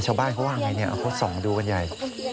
ชาวบ้านเขาว่าไงเนี่ยเขาส่องดูกันใหญ่